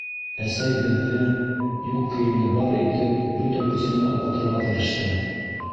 Әсәй беҙҙе, юҡ кейемде бар итеп, бөтә көсөнә уҡытырға тырышты.